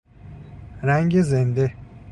رنگ زنده